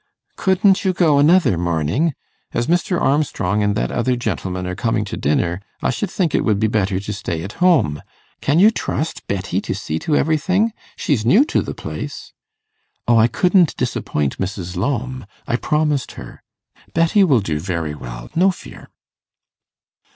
'Couldn't you go another morning? As Mr. Armstrong and that other gentleman are coming to dinner, I should think it would be better to stay at home. Can you trust Betty to see to everything? She's new to the place.' 'O I couldn't disappoint Mrs. Lowme; I promised her. Betty will do very well, no fear.